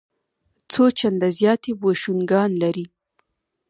څو چنده زیات یې بوشونګان لري.